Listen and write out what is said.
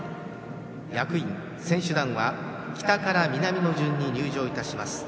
役員・選手団は北から南の順に入場いたします。